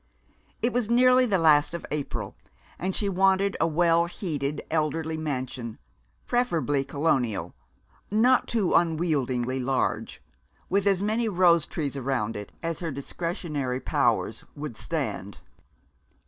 It was nearly the last of April, and she wanted a well heated elderly mansion, preferably Colonial, not too unwieldily large, with as many rose trees around it as her discretionary powers would stand.